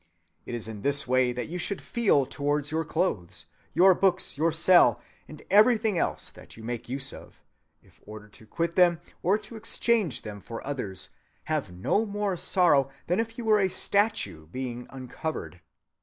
It is in this way that you should feel towards your clothes, your books, your cell, and everything else that you make use of; if ordered to quit them, or to exchange them for others, have no more sorrow than if you were a statue being uncovered.